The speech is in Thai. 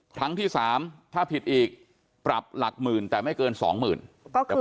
ครั้งที่๓ถ้าผิดอีกปรับหลักหมื่นแต่ไม่เกิน๒๐๐๐บาท